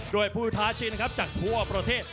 โดยผู้ท้าชินครับจากทั่วประเทศ